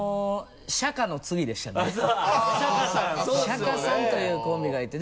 シャカさんというコンビがいて。